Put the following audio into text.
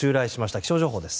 気象情報です。